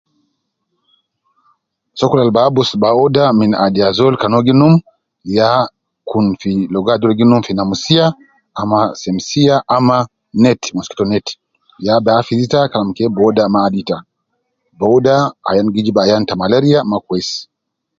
Sokol al bi abus bauda min adi azol kan uwo gi num ya kun fi logo ajol gi num fi nemsiya ama simsiya ama net mosquito net ya bi hafiz ita kalam ke booda ma adi ita, booda ayan gi jib ayan te malaria ma kwesi